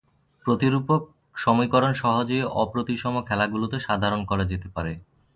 প্রতিরূপক সমীকরণ সহজেই অপ্রতিসম খেলাগুলিতে সাধারণ করা যেতে পারে।